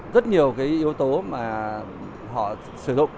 rất nhiều cái yếu tố mà họ sử dụng